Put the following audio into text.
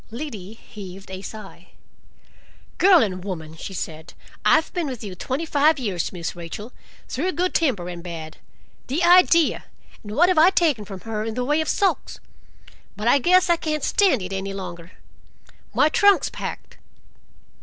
Liddy heaved a sigh. "Girl and woman," she said, "I've been with you twenty five years, Miss Rachel, through good temper and bad—" the idea! and what I have taken from her in the way of sulks!—"but I guess I can't stand it any longer. My trunk's packed."